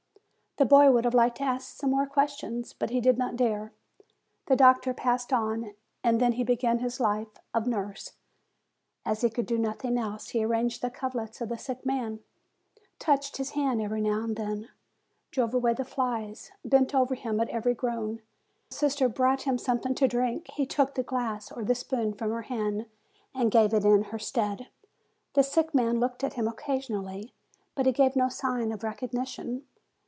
The boy would have liked to ask some more ques tions, but he did not dare. The doctor passed on. And then he began his life of nurse. As he 136 FEBRUARY could do nothing else, he arranged the coverlets of the sick man, touched his hand every now and then, drove away the flies, bent over him at every groan, and when the sister brought him something to drink, he took the glass or the spoon from her hand, and gave it in her stead. The sick man looked at him occasionally, but he gave no sign of recognition.